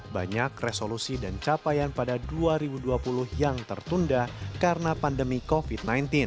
banyak resolusi dan capaian pada dua ribu dua puluh yang tertunda karena pandemi covid sembilan belas